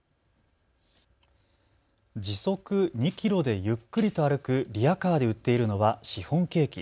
時速２キロでゆっくりと歩くリヤカーで売っているのはシフォンケーキ。